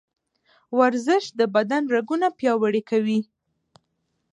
ورزش د بدن رګونه پیاوړي کوي.